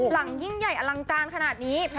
หลังยิ่งใหญ่อลังการขนาดนี้